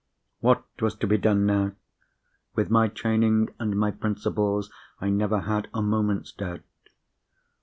What was to be done now? With my training and my principles, I never had a moment's doubt.